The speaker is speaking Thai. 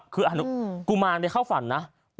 กุมารได้เข้าฝันนะ